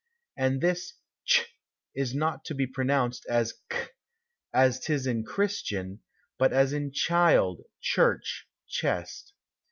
And this ch is not to be pronounced like k, as 'tis in Christian, but as in child, church, chest.